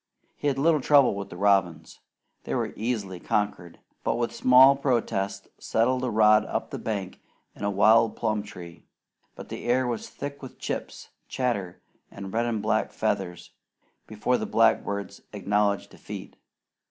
He had little trouble with the robins. They were easily conquered, and with small protest settled a rod up the bank in a wild plum tree; but the air was thick with "chips," chatter, and red and black feathers, before the blackbirds acknowledged defeat.